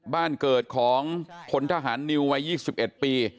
บ้านเกิดของพลทหารนิววัย๒๑ปี